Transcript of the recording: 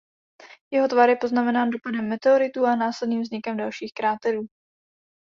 Jeho tvar je poznamenán dopadem meteoritů a následným vznikem dalších kráterů.